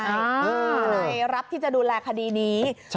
อะไรรับที่จะดูแลคดีนี้